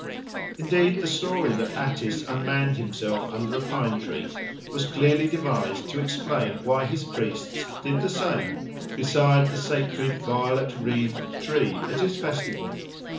Indeed the story that Attis unmanned himself under a pine tree was clearly devised to explain why his priests did the same beside the sacred violet wreathed tree at his festival.